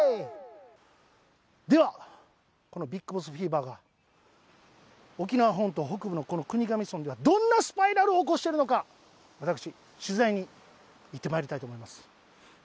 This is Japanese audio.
では、このビッグボスフィーバーが、沖縄本島北部のこの国頭村では、どんなスパイラルを起こしているのか、私、取材に行ってまいりたいと思います。